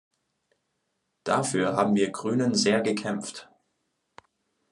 Dafür haben wir Grünen sehr gekämpft.